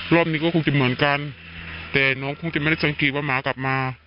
รอบนี้ก็คงจะเหมือนกันแต่น้องคงจะไม่ได้สังเกตว่าหมากลับมา